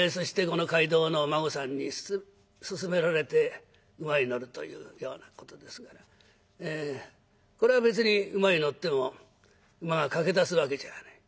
この街道の馬子さんに勧められて馬に乗るというようなことですからこれは別に馬に乗っても馬が駆け出すわけじゃない。